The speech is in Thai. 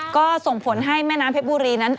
ก็ส่งผลให้แม่น้ำเพชรบุรีนั้น